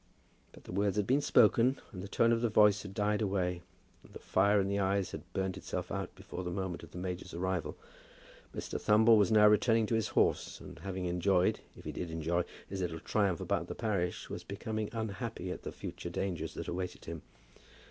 But the words had been spoken, and the tone of the voice had died away, and the fire in the eyes had burned itself out before the moment of the major's arrival. Mr. Thumble was now returning to his horse, and having enjoyed, if he did enjoy, his little triumph about the parish, was becoming unhappy at the future dangers that awaited him.